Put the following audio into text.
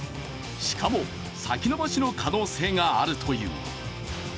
しかも、先延ばしの可能性があるという。